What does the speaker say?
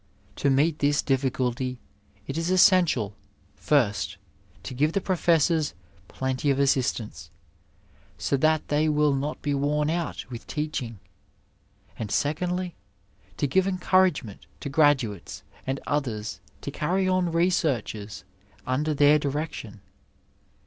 To meet this difficulty it is essential, first, to give the professors plenty of assistance, so that they will not be worn out with teaching ; and, secondly, to give encouragement to gradu ates and others to carry on researches under their direction.